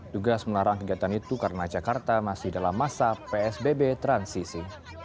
tugas melarang kegiatan itu karena jakarta masih dalam masa psbb transisi